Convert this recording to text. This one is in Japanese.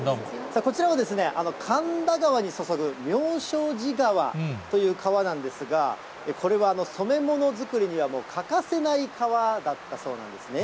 こちらは神田川に注ぐ妙正寺川という川なんですが、これは染め物作りには、欠かせない川だったそうなんですね。